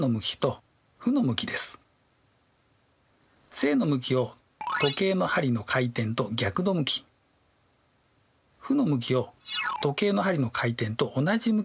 正の向きを時計の針の回転と逆の向き負の向きを時計の針の回転と同じ向きとします。